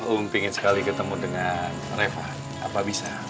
om pingin sekali ketemu dengan reva apa bisa